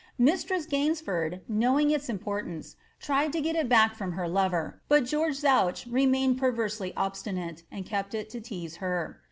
Mistress Gaynsford, knowing its import ance, tried to get it back from her lover, but George Zouch remained pen'ersely obstinate, and kept it to tease her.